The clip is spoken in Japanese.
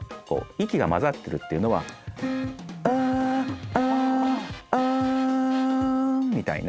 息がまざってるというのは「アーアーアー」みたいな。